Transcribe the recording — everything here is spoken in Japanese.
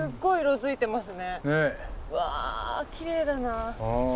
うわきれいだな。